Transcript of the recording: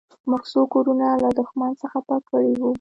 موږ څو کورونه له دښمن څخه پاک کړي وو